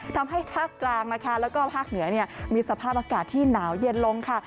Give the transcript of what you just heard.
ทำให้ภาคกลางและภาคเหนือนี้มีสภาพอากาศที่น้าวเย็นลงค่ะ